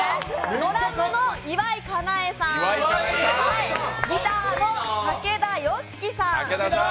ドラムの岩井香奈依さんギターの武田賢樹さん。